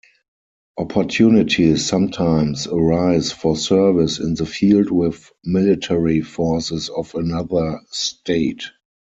Opportunities sometimes arise for service in the field with military forces of another state.